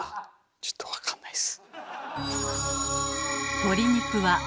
ちょっと分かんないっす。